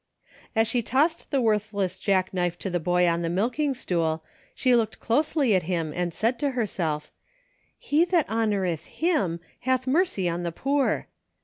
As she tossed the worthless jackknife to the boy on the milking stool, she looked closely at him and said to herself: "' He that honoreth Him hath mercy on the poor.'